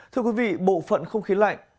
thưa quý vị bộ phận không khí lạnh